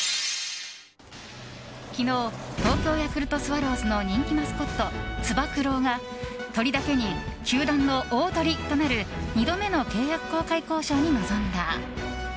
昨日東京ヤクルトスワローズの人気マスコット、つば九郎が鳥だけに、球団の大トリとなる２度目の契約更改交渉に臨んだ。